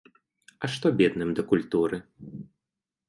А што бедным да культуры?